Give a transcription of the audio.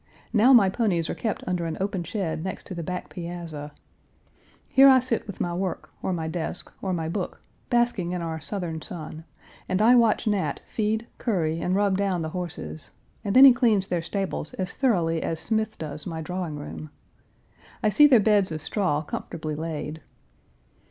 Now my ponies are kept under an open shed next to the back piazza. Here I sit with my work, or my desk, or my book, basking in our Southern sun, and I watch Nat feed, curry, and rub down the horses, and then he cleans their stables as thoroughly as Smith does my drawing room. I see their beds of straw comfortably laid.